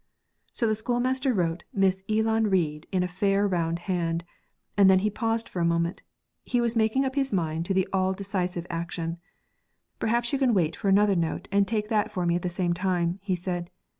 So the schoolmaster wrote 'Miss Eelan Reid' in a fair round hand, and then he paused for a moment. He was making up his mind to the all decisive action. 'Perhaps you can wait for another note and take that for me at the same time,' he said.